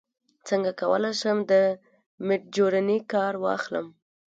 څنګه کولی شم د میډجورني کار واخلم